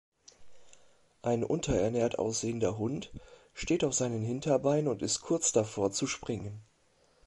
Ein unterernährt aussehender Hund steht auf seinen Hinterbeinen und ist kurz davor, zu springen.